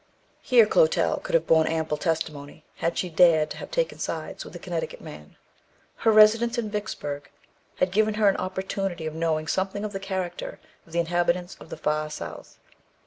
Here Clotel could have borne ample testimony, had she dared to have taken sides with the Connecticut man. Her residence in Vicksburgh had given her an opportunity of knowing something of the character of the inhabitants of the far South.